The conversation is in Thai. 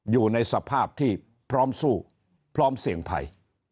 อยู่ในสภาพที่พร้อมสู้พร้อมเสี่ยงภัย